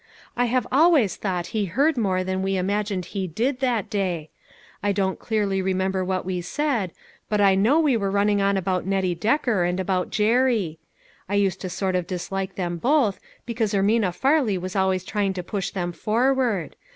I have always thought he heard more than we imagined he did, that day ; I don't clearly re 428 LITTLE FISHERS : AND THEIR NETS. member what we said, but I know we were run ning on about Nettie Decker and about Jerry ; I used to sort of dislike them both, because Ermina Farley was always trying to push them forward.